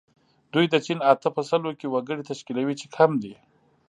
دوی د چین اته په سلو کې وګړي تشکیلوي چې کم دي.